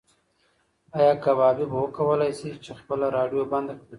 ایا کبابي به وکولی شي چې خپله راډیو بنده کړي؟